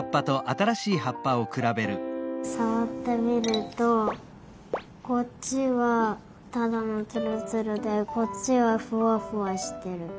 さわってみるとこっちはただのつるつるでこっちはふわふわしてる。